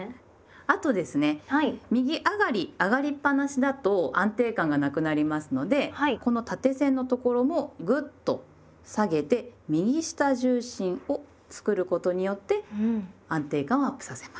あとですね右上がり上がりっぱなしだと安定感がなくなりますのでこの縦線のところをぐっと下げて右下重心を作ることによって安定感をアップさせます。